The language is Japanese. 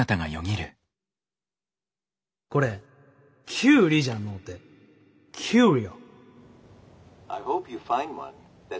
これキュウリじゃのうてキュウリオ。